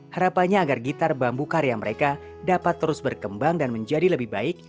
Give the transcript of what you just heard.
harapannya agar gitar bambu karya mereka dapat terus berkembang dan menjadi lebih baik